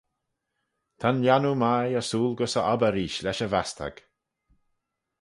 Ta'n lhiannoo mie ersooyl gys e obbyr reesht lesh y vastag.